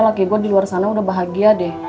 laki gue diluar sana udah bahagia deh